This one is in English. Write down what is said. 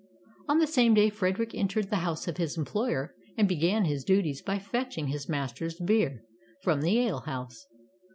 On the same day, Frederick entered the house of his employer, and began his duties by fetching his master's beer from the ale house.